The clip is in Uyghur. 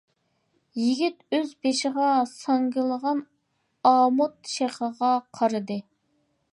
يىگىت ئۆز بېشىغا ساڭگىلىغان ئامۇت شېخىغا قارىدى.